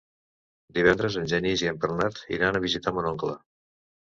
Divendres en Genís i en Bernat iran a visitar mon oncle.